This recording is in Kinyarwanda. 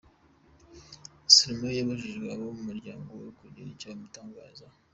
Stromae yabujije abo mu muryango we kugira icyo bamuvutangazaho.